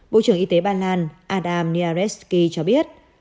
bộ trưởng y tế bà loan adam niarewski cho biết